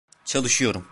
Çalışıyorum.